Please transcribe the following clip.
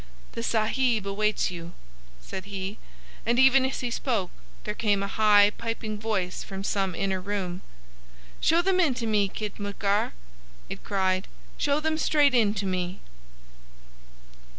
"The Sahib awaits you," said he, and even as he spoke there came a high piping voice from some inner room. "Show them in to me, khitmutgar," it cried. "Show them straight in to me."